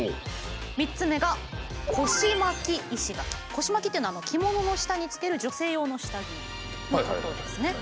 こしまきというのは着物の下につける女性用の下着のことですね。